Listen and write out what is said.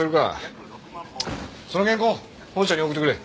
その原稿本社に送ってくれ。